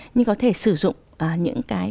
nhưng có thể sử dụng những cái